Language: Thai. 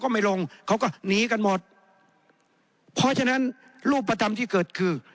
หนีกันหมดเพราะฉะนั้นรูปประตำที่เกิดคือ